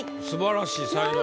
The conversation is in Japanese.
すばらしい。